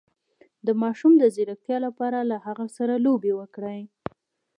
د ماشوم د ځیرکتیا لپاره له هغه سره لوبې وکړئ